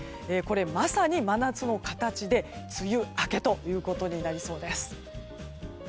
まさに真夏の形で梅雨明けとなりそうです。